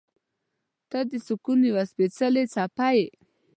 • ته د سکون یوه سپېڅلې څپه یې.